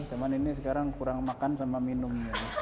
cuman ini sekarang kurang makan sama minum